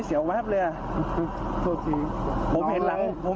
เออเป็นเต็ม